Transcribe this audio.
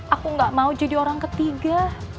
aku gak mau jadi orang ketiga